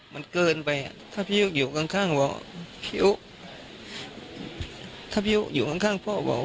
มันเกินไปถ้าพี่ยุคอยู่ข้างข้างบอกพี่ยุคอยู่ข้างข้างพ่อบอก